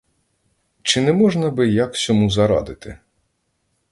Чи не можна би як сьому зарадити?